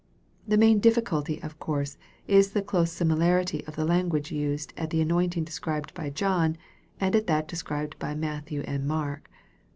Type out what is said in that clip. The main difficulty, of course, is the close similai ity of the languaga used at the anointing described by John, and at that described by Matthew and Mark.